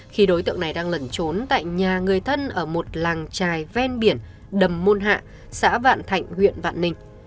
khi đối tượng này đang lẩn trốn tại nhà người thân ở một làng trài ven biển đầm môn hạ xã vạn thạnh huyện vạn ninh